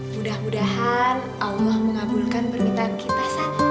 mudah mudahan allah mengabulkan permintaan kita